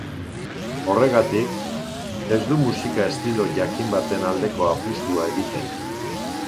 Horregatik, ez du musika-estilo jakin baten aldeko apustua egiten.